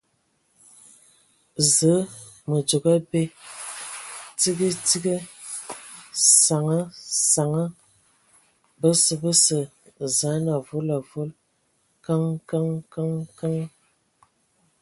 Zǝə, mǝ dzogo abe, tsigi tsigi, saŋa saŋa ! Bəsə, bəsə, zaan avol avol !... Kǝŋ Kǝŋ Kǝŋ Kǝŋ!